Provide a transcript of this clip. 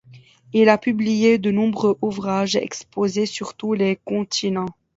Il a publié de nombreux ouvrages et exposé sur tous les continents.